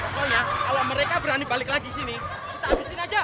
soalnya kalau mereka berani balik lagi sini kita habisin aja